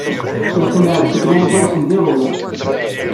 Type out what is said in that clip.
Yeqleɛ-d seg London sendiḍelli.